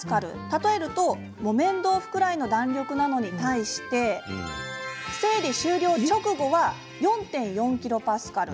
例えると木綿豆腐くらいの弾力なのに対し生理終了直後は４．４キロパスカル。